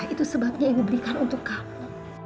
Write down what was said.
itu sebabnya ibu berikan untuk kamu